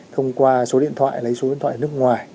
thông qua số điện thoại lấy số điện thoại nước ngoài